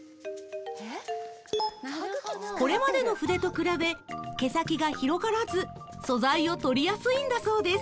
これまでの筆と比べ毛先が広がらず素材を取りやすいんだそうです